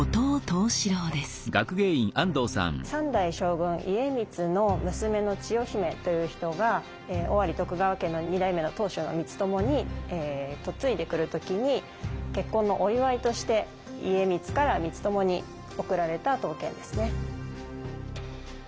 ３代将軍家光の娘の千代姫という人が尾張徳川家の２代目の当主の光友に嫁いで来る時に結婚のお祝いとして家光から光友に贈られた刀剣ですね。